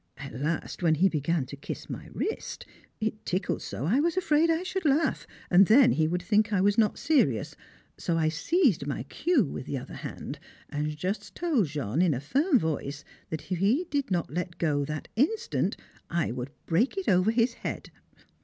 At last, when he began to kiss my wrist, it tickled so I was afraid I should laugh, and then he would think I was not serious; so I seized my cue with the other hand, and just told Jean in a firm voice that if he did not let go that instant I would break it over his head!